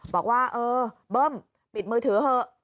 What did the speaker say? บอกว่าเออเบิ้มปิดมือถือเถอะ